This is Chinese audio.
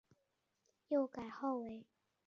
又改号为雍穆长公主。